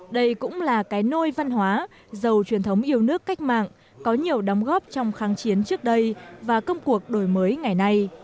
đây cũng là cái nôi văn hóa giàu truyền thống yêu nước cách mạng có nhiều đóng góp trong kháng chiến trước đây và công cuộc đổi mới ngày nay